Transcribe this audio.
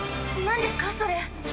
なんですかそれ？